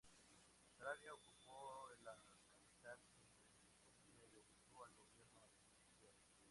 Saravia ocupó la capital sin resistencia y obligó al gobierno a renunciar.